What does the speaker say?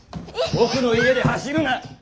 僕の家で走るなッ！